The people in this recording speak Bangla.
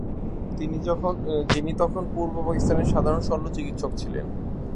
যিনি তখন পূর্ব পাকিস্তানের সাধারণ শল্য-চিকিৎসক ছিলেন।